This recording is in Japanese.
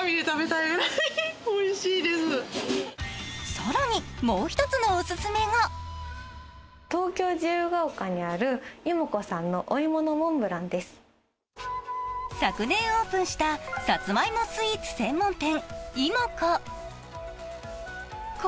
更に、もう一つのお勧めが昨年オープンしたさつまいもスイーツ専門店、いもこ。